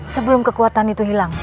sebelum kekuatan itu hilang